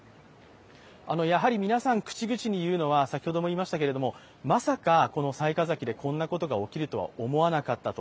やはり皆さん口々にいいますのは、先ほども言いましたけれども、まさかこの雑賀崎でこんなことが起きるとは思わなかったと。